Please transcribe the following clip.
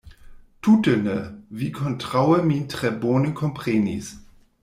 Tute ne: vi kontraŭe min tre bone komprenis.